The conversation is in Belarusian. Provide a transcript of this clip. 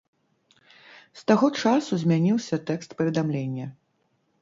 З таго часу змяніўся тэкст паведамлення.